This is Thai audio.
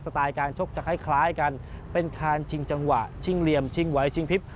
ไตล์การชกจะคล้ายกันเป็นคานชิงจังหวะชิงเหลี่ยมชิงไหวชิงพลิบ